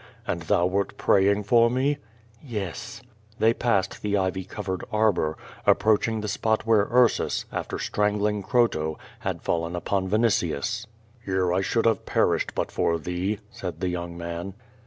And thou wert praying for me?" ,^\ "Yes." They passed the ivy covered arbor, approaching the spot where I'rsus, after strangling Croto, had fallen upon Vinitius. "Here I should have perished but for thee," said the young man.